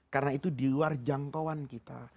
karena itu di luar jangkauan kita